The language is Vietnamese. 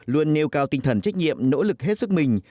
luôn nêu cao tinh thần trách nhiệm nỗ lực hết sức mình